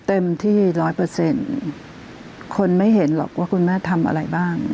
เต็มที่ร้อยเปอร์เซ็นต์คนไม่เห็นหรอกว่าคุณแม่ทำอะไรบ้าง